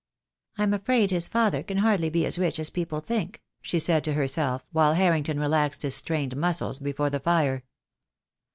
"I'm afraid his father can hardly be as rich as people think," she said to herself, while Harrington relaxed his strained muscles before the fire.